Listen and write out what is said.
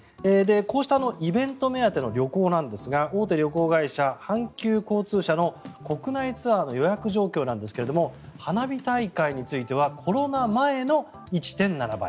こうしたイベント目当ての旅行なんですが大手旅行会社、阪急交通社の国内ツアーの予約状況なんですが花火大会についてはコロナ前の１．７倍。